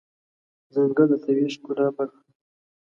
ځنګل د طبیعي ښکلا برخه ده.